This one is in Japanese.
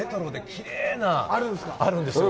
きれいなのがあるんですよ。